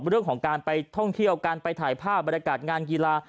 เรื่องของการไปท่องเที่ยวการไปถ่ายภาพบรรยากาศงานกีฬา